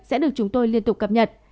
sẽ được chúng tôi liên tục cập nhật